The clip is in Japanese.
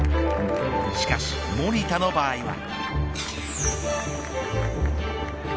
しかし守田の場合は。